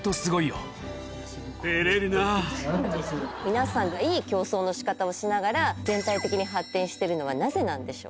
皆さんがいい競争の仕方をしながら全体的に発展してるのはなぜなんでしょう？